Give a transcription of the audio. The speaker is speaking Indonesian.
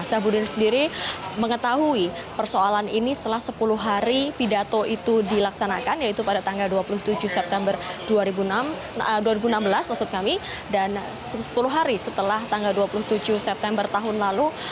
zahbudin sendiri mengetahui persoalan ini setelah sepuluh hari pidato itu dilaksanakan yaitu pada tanggal dua puluh tujuh september dua ribu enam belas maksud kami dan sepuluh hari setelah tanggal dua puluh tujuh september tahun lalu